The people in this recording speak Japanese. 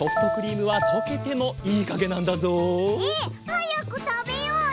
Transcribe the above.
はやくたべようよ！